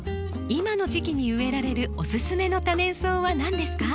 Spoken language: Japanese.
今の時期に植えられるおすすめの多年草は何ですか？